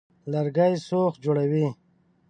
لرګي سوخت جوړوي.